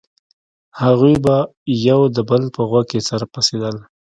هغوى به يو د بل په غوږ کښې سره پسېدل.